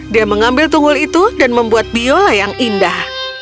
dia mengambil tunggul itu dan membuat biola yang indah